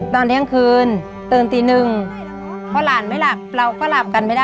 ตอนเที่ยงคืนตื่นตีหนึ่งพอหลานไม่หลับเราก็หลับกันไม่ได้